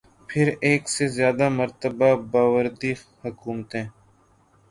پھر ایک سے زیادہ مرتبہ باوردی حکومتیں۔